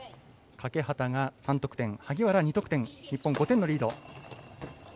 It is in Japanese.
欠端が３得点萩原２得点で日本５点のリード。